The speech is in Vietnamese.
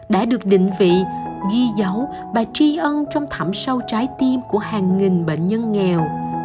đã được định vị ghi dấu và tri ân trong thảm sâu trái tim của hàng nghìn bệnh nhân nghèo